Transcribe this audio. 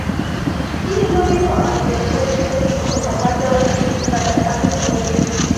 ځینې نور یې فعالیتونه ټیټوي خو په هر ډول چې وي بده اغیزه لري.